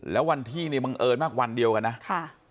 แล้ววันที่มังเอิญมากวันเดียวกันนะ